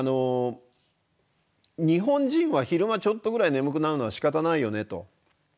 日本人は昼間ちょっとぐらい眠くなるのはしかたないよねと。